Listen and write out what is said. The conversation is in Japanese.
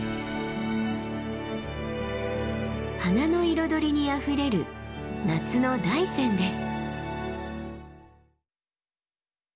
花の彩りにあふれる夏の大山です。